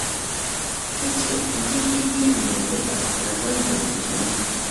ښه چې خوښېږي دې، نو زه به خپله ځان در وپېژنم.